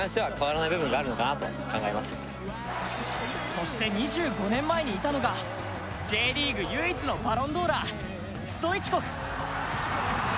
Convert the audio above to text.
そして２５年前にいたのがＪリーグ唯一のバロンドーラーストイチコフ。